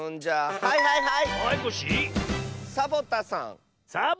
はいはいはい！